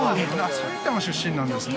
◆埼玉出身なんですね。